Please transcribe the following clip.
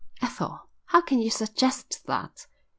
"Ethel, how can you suggest that!"